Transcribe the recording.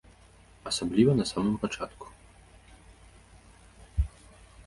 Асабліва на самым пачатку.